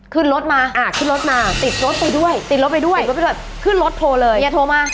ขึ้นรถมาติดรถไปด้วยขึ้นรถโทรเลยเนี่ยโทรมา